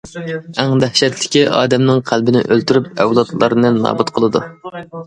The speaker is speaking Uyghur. ئەڭ دەھشەتلىكى ئادەمنىڭ قەلبىنى ئۆلتۈرۈپ، ئەۋلادلارنى نابۇت قىلىدۇ.